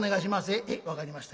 「へえ分かりました。